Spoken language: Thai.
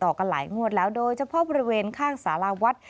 กันหลายงวดแล้วโดยเฉพาะบริเวณข้างสาราวัด